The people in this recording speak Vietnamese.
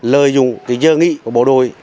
lời dùng dơ nghị của bộ đội